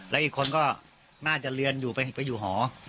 และอีกคนก็น่าจะเรียนไปอยู่หอ